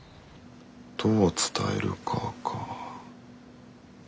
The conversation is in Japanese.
どう伝えるかか。